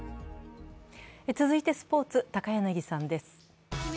続いてスポーツ高柳さんです。